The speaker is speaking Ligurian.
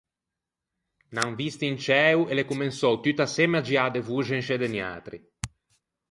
N’an visto in ciæo e l’é comensou tutt’assemme à giâ de voxe in sce de niatri.